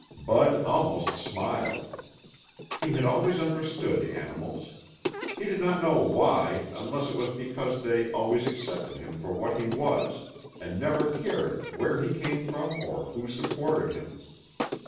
Bud almost smiled. He had always understood animals. He did not know why, unless it was because they always accepted him for what he was and never cared where he came from or who supported him.